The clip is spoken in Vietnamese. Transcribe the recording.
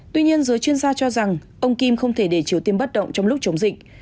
tuy nhiên giới chuyên gia cho rằng ông kim không thể để triều tiên bất động trong lúc chống dịch